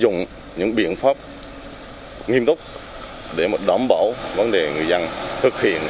chúng tôi sẽ dùng những biện pháp nghiêm túc để đảm bảo vấn đề người dân thực hiện